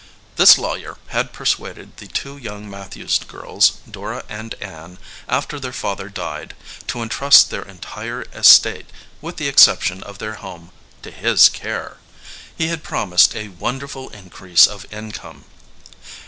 This lawyer had persuaded the two young Matthews girls, Dora and Ann, after their father died, to entrust their entire estate, with the exception of their home, to his care. He had promised a wonderful increase of income.